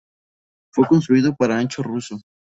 Fue construido para ancho ruso.